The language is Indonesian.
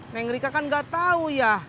nengrika kan gak tau ya